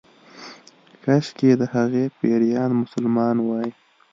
کشکې د هغې پيريان مسلمان وای